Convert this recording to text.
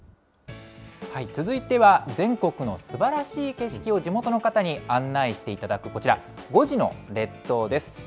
続いては全国のすばらしい景色を地元の方に案内していただくこちら、５時の列島です。